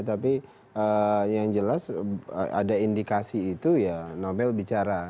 tapi yang jelas ada indikasi itu ya novel bicara